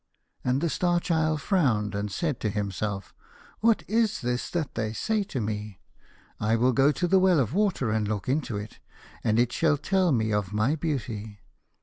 And the Star Child frowned and said to himself, " What is this that they say to me ? I will go to the well of water and look into it, and it shall tell me of my beauty."